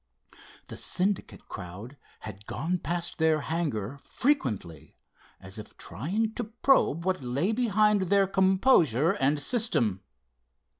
The Syndicate crowd had gone past their hangar frequently, as if trying to probe what lay behind their composure and system.